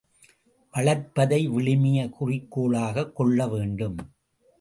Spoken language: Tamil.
வளர்ப்பதை விழுமிய குறிக்கோளாகக் கொள்ளவேண்டும்.